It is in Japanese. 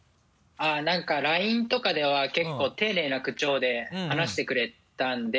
何かＬＩＮＥとかでは結構丁寧な口調で話してくれたんで。